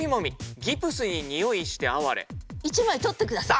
１枚取って下さい。